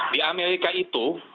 di amerika itu